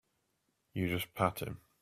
You just pat him.